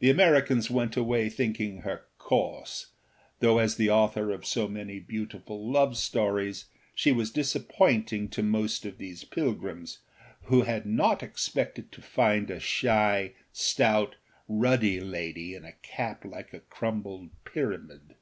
The Americans went away thinking her coarse; though as the author of so many beautiful love stories she was disappointing to most of these pilgrims, who had not expected to find a shy, stout, ruddy lady in a cap like a crumbled pyramid.